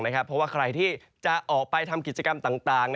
เพราะว่าใครที่จะออกไปทำกิจกรรมต่าง